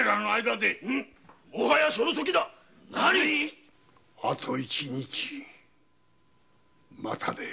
もはやその時だあと一日待たれよ。